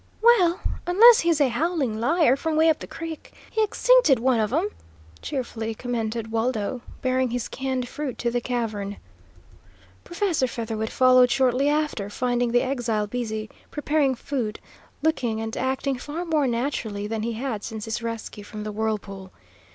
"Well, unless he's a howling liar from 'way up the crick, he extincted one of 'em," cheerfully commented Waldo, bearing his canned fruit to the cavern. Professor Featherwit followed shortly after, finding the exile busy preparing food, looking and acting far more naturally than he had since his rescue from the whirlpool.